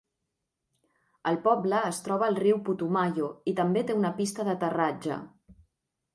El poble es troba al riu Putumayo i també té una pista d'aterratge.